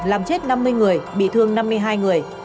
làm chết năm mươi người bị thương năm mươi hai người